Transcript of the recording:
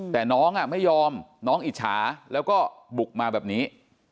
แต่น้องไม่ยอมน้องอิจฉาแล้วก็บุกมาแบบนี้